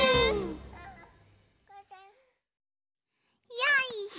よいしょ。